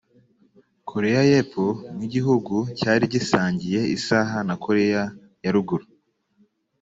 Koreya y’Epfo nk’igihugu cyari gisangiye isaha na Koreya ya Ruguru